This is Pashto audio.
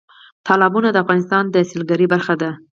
تالابونه د افغانستان د سیلګرۍ برخه ده.